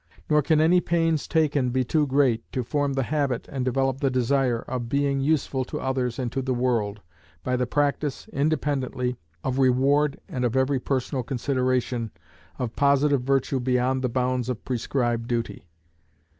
Nor can any pains taken be too great, to form the habit, and develop the desire, of being useful to others and to the world, by the practice, independently of reward and of every personal consideration, of positive virtue beyond the bounds of prescribed duty.